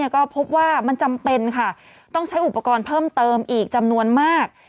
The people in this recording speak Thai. ก็พบว่ามันจำเป็นค่ะต้องใช้อุปกรณ์เพิ่มเติมอีกจำนวนมาก